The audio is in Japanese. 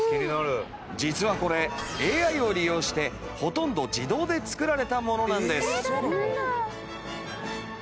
実はこれＡＩを利用してほとんど自動で作られたものなんです。